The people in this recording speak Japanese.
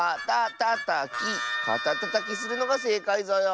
かたたたきするのがせいかいぞよ。